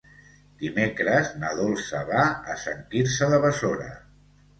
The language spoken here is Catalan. Dimecres na Dolça va a Sant Quirze de Besora.